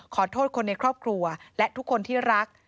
ขอโทษคนในครอบครัวและทุกคนที่รัก